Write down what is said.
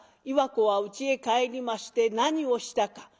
岩子はうちへ帰りまして何をしたか。